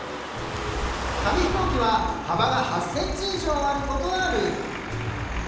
紙飛行機は幅が８ｃｍ以上あることがルール。